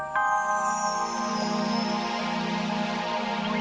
hei lo usah ikutin gue